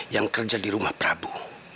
yang kerja di rumah prabu